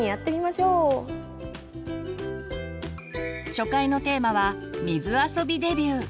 初回のテーマは「水あそびデビュー」。